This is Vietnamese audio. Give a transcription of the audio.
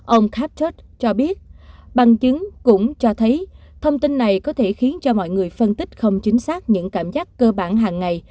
ông captock cho biết bằng chứng cũng cho thấy thông tin này có thể khiến cho mọi người phân tích không chính xác những cảm giác cơ bản hàng ngày